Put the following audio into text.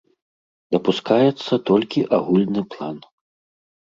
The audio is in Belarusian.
Дапускаецца толькі агульны план.